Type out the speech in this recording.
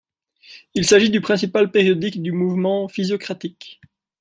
Il s'agit du principal périodique du mouvement physiocratique.